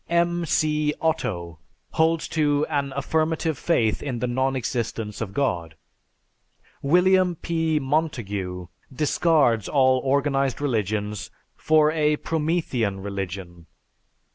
M. C. Otto holds to "An affirmative faith in the non existence of God." William P. Montague discards all organized religions for a "Promethean Religion."